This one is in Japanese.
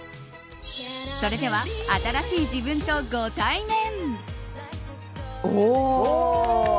それでは、新しい自分とご対面。